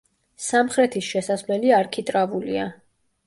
სამხრეთის შესასვლელი არქიტრავულია.